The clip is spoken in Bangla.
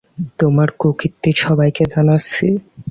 তোমার কুকীর্তি সবাইকে জানাচ্ছি!